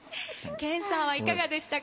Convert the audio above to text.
謙さんはいかがでしたか？